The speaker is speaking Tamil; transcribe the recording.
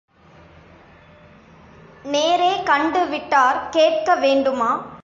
நேரே கண்டு விட்டாற் கேட்க வேண்டுமா?